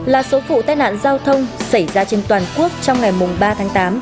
bốn mươi hai là số vụ tai nạn giao thông xảy ra trên toàn quốc trong ngày ba tháng tám